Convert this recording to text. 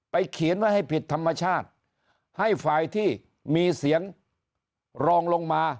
เขียนไว้ให้ผิดธรรมชาติให้ฝ่ายที่มีเสียงรองลงมา